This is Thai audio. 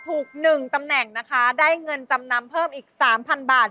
ถูก๑ตำแหน่งนะคะได้เงินจำนำเพิ่มอีก๓๐๐บาท